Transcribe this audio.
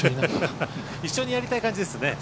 一緒にやりたい感じですよね。